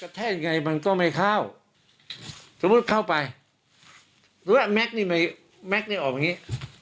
กระแทกยังไงมันก็ไม่เข้าสมมุติเข้าไปแม็กซ์นี้ไม่แม็กซ์นี้ออกแบบงี้